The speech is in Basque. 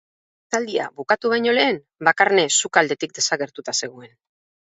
Esaldia bukatu baino lehen Bakarne sukaldetik desagertua zegoen.